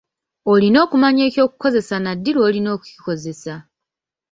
Olina okumanya eky'okukozesa na ddi lw'olina okukikozesa.